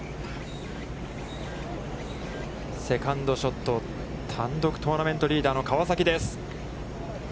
セカンドショット、単独トーナメントリーダーの川崎です。